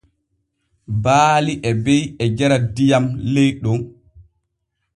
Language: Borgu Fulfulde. Baali e be’i e jara diyam ley ɗon.